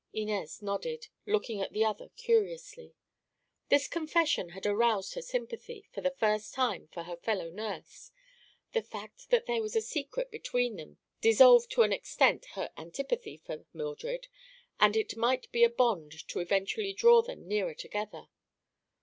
Inez nodded, looking at the other curiously. This confession had aroused her sympathy, for the first time, for her fellow nurse. The fact that there was a secret between them dissolved to an extent her antipathy for Mildred, and it might be a bond to eventually draw them nearer together.